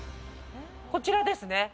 こちらですね。